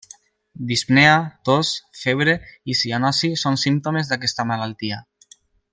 Dispnea, tos, febre i cianosi són símptomes d'aquesta malaltia.